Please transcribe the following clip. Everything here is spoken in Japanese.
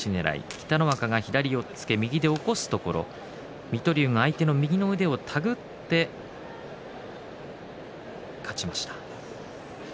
北の若左押っつけ、右で起こすところ水戸龍が相手の右の腕を手繰って勝ちました。